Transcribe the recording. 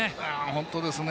本当ですね。